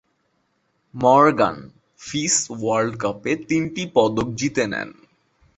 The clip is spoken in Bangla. মর্গান, ফিস ওয়াল্ড কাপ-এ তিনটি পদক জিতে নেন।